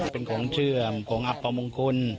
เป็นของเชื่อมของอับประมงคล